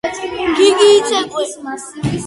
გიგი იცეკვე